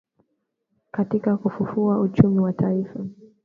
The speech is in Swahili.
katika kufufua uchumi wa taifa